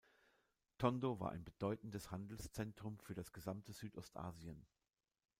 Tondo war ein bedeutendes Handelszentrum für das gesamte Südostasien.